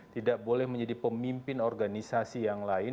tidak boleh menjadi pemimpin organisasi yang lain